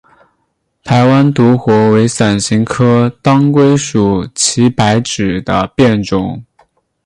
台湾独活为伞形科当归属祁白芷的变种。